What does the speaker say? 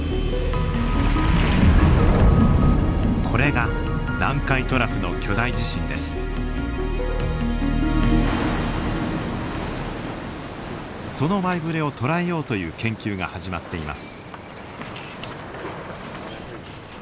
これがその前触れを捉えようという研究が始まっています。